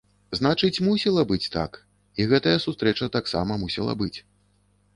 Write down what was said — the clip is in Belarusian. Значыць, мусіла быць так, і гэтая сустрэча таксама мусіла быць.